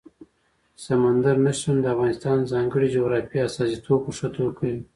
سمندر نه شتون د افغانستان د ځانګړي جغرافیې استازیتوب په ښه توګه کوي.